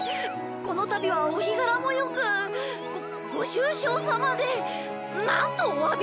この度はお日柄も良くごご愁傷さまでなんとお詫びをしてよいか。